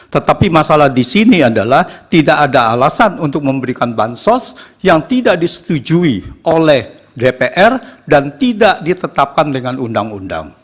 tetapi masalah di sini adalah tidak ada alasan untuk memberikan bansos yang tidak disetujui oleh dpr dan tidak ditetapkan dengan undang undang